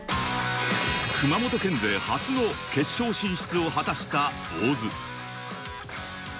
熊本県勢初の決勝進出を果たした大津。